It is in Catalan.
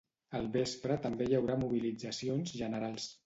Al vespre també hi haurà mobilitzacions generals.